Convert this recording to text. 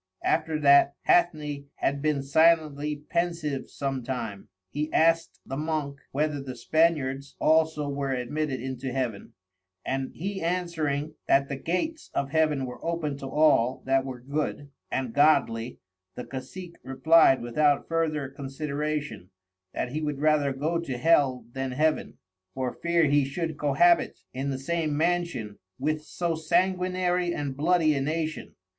After that Hathney had been silently pensive sometime, he askt the Monk whether the Spaniards also were admitted into Heaven, and he answering that the Gates of Heaven were open to all that were Good and Godly, the Cacic replied without further consideration, that he would rather go to Hell then Heaven, for fear he should cohabit in the same Mansion with so Sanguinary and Bloody a Nation.